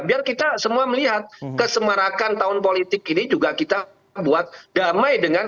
biar kita semua melihat kesemarakan tahun politik ini juga kita buat damai dengan